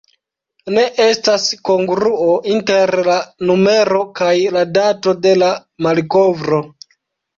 Ne estas kongruo inter la numero kaj la dato de la malkovro.